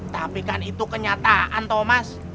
tapi kan itu kenyataan thomas